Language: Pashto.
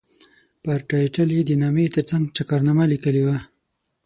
پر ټایټل یې د نامې ترڅنګ چکرنامه لیکلې وه.